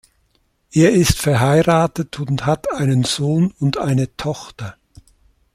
Er ist verheiratet und hat einen Sohn und eine Tochter.